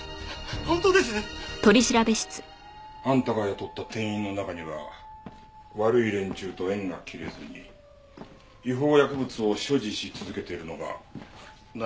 本当です！あんたが雇った店員の中には悪い連中と縁が切れずに違法薬物を所持し続けているのが何人かいたそうだな。